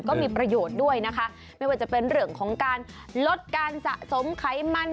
ก็มีประโยชน์ด้วยนะคะไม่ว่าจะเป็นเรื่องของการลดการสะสมไขมัน